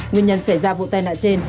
nguyên nhân xảy ra vụ tai nạn trên